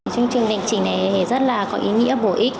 chương trình này rất là có ý nghĩa bổ ích